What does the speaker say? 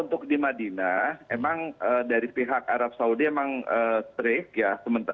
untuk di madinah emang dari pihak arab saudi emang trik ya